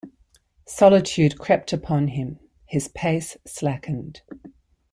Solitude crept upon him — his pace slackened.